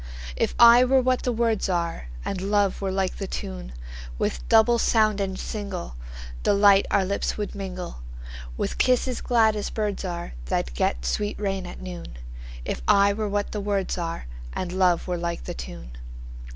If I were what the words are, And love were like the tune, With double sound and singleDelight our lips would mingle, With kisses glad as birds areThat get sweet rain at noon; If I were what the words areAnd love were like the tune.